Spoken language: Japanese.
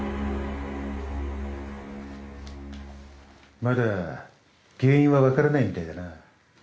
まだ原因は分からないみたいだな。